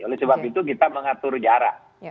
oleh sebab itu kita mengatur jarak